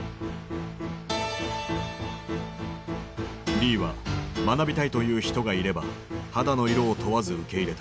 リーは学びたいという人がいれば肌の色を問わず受け入れた。